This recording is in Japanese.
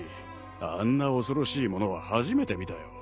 あんな恐ろしいものは初めて見たよ。